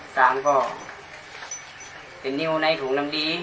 สารก็เป็นนิ้วในถุงน้ำดี